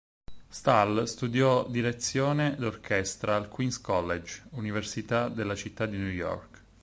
Stahl studiò direzione d'orchestra al Queens College, Università della Città di New York.